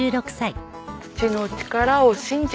土の力を信じて。